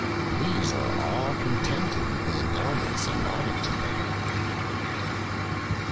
These are all contented with the endowments allotted to them."